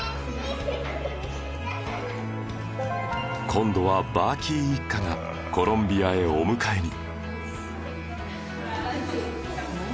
今度はバーキー一家がコロンビアへお迎えに